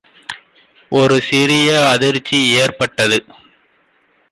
ஒரு சிறிய அதிர்ச்சி ஏற்பட்டது.